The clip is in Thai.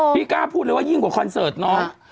พี่กล้าพูดเลยว่ายิ่งกว่าคอนเสิร์ตน้อง